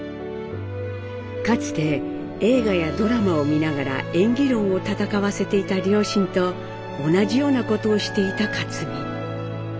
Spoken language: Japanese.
かつて映画やドラマを見ながら演技論を戦わせていた両親と同じようなことをしていた克実。